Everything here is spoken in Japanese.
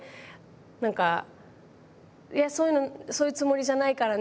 なんか「いやそういうつもりじゃないからね。